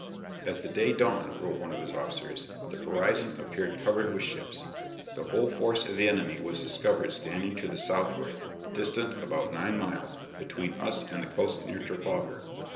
"As the day dawned," wrote one of his officers, "the horizon appeared covered with ships. The whole force of the enemy was discovered standing to the southward, distant about nine miles, between us and the coast near Trafalgar.